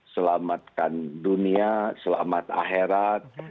selamatkan dunia selamat akhirat